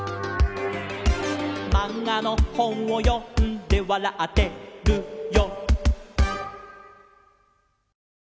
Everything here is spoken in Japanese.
「まんがのほんをよんでわらってるよ」